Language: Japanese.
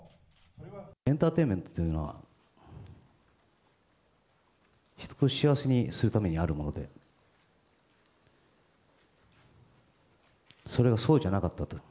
エンターテインメントというのは、人を幸せにするためにあるもので、それがそうじゃなかったと。